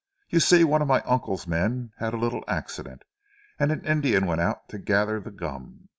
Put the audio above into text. You see one of my uncle's men had a little accident, and an Indian went out to gather the gum.